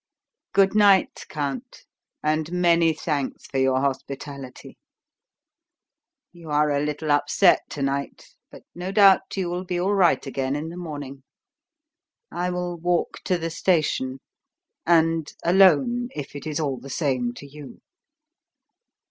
Good night, Count, and many thanks for your hospitality. You are a little upset to night, but no doubt you will be all right again in the morning. I will walk to the station and alone, if it is all the same to you."